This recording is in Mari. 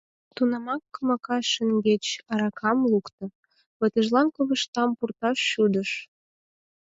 Тунамак комака шеҥгеч аракам лукто, ватыжлан ковыштам пурташ шӱдыш.